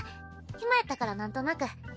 暇やったからなんとなく。